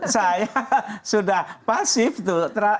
saya sudah pasif tuh